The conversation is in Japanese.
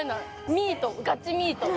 ミートガチミート